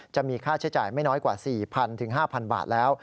จะมีค่าใช้จ่ายไม่น้อยกว่า๔๐๐๕๐๐บาทแล้ว